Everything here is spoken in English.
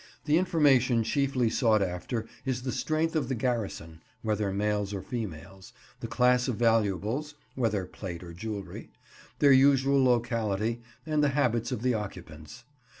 The information chiefly sought after is the strength of the garrison (whether males or females), the class of valuables (whether plate or jewellery), their usual locality, and the habits of the occupants.